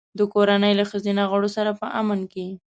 د کورنۍ له ښځینه غړو سره په امن کې.